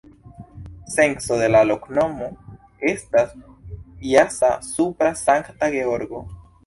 Senco de la loknomo estas: jasa-supra-Sankta-Georgo.